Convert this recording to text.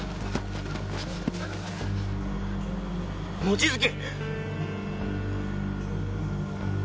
望月！